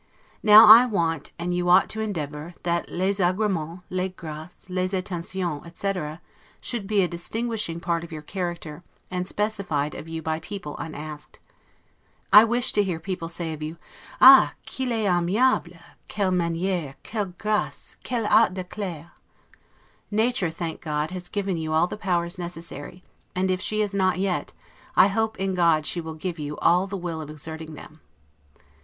Now I want, and you ought to endeavor, that 'les agremens, les graces, les attentions', etc., should be a distinguishing part of your character, and specified of you by people unasked. I wish to hear people say of you, 'Ah qu'il est aimable! Quelles manieres, quelles graces, quel art de Claire'! Nature, thank God, has given you all the powers necessary; and if she has not yet, I hope in God she will give you the will of exerting them.